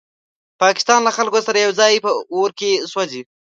د پاکستان له خلکو سره یوځای په اور کې سوځي.